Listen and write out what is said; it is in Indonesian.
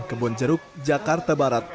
kembon jeruk jakarta barat